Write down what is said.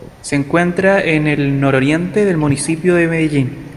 Se encuentra en el NorOriente del municipio de Medellín.